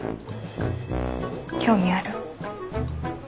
興味ある？